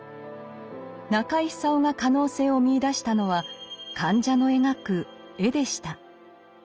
中井久夫が可能性を見いだしたのは患者の描く「絵」でした。